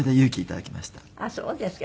あっそうですか。